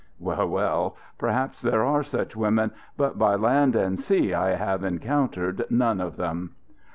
Well, well, perhaps there are such women, but by land and sea I have encountered none of them."